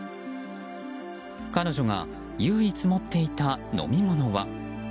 彼女が唯一持っていた飲み物は。